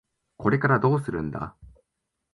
これからどうするんだ？